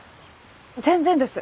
全然です。